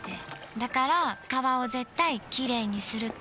だから川を絶対きれいにするって。